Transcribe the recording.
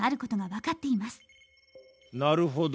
なるほど。